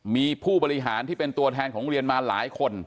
มีผู้บริหารที่เป็นตัวแทนของโรงเรียนมาหลายคน